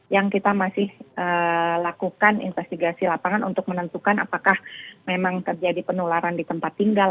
yang kita masih lakukan investigasi lapangan untuk menentukan apakah memang terjadi penularan di tempat tinggal